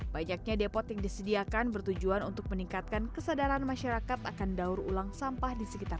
banyaknya depot yang disediakan bertujuan untuk meningkatkan kesadaran masyarakat akan daur ulang sampah di sekitar